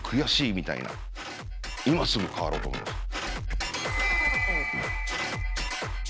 今すぐ変わろうと思いました。